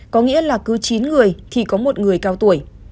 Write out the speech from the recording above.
có nghĩa là cứ chín người thì có một người cao tuổi